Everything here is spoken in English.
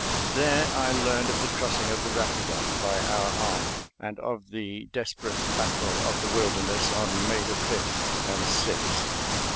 There I learned of the crossing of the Rapidan by our army, and of the desperate battle of the Wilderness on May 5th and 6th.